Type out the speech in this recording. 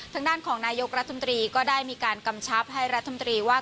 ทางด้านของนายกรัฐมนตรีก็ได้มีการกำชับให้รัฐมนตรีว่า